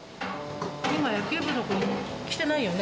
今、野球部の子、来てないよね？